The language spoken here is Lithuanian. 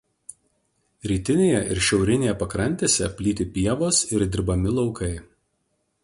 Rytinėje ir šiaurinėje pakrantėse plyti pievos ir dirbami laukai.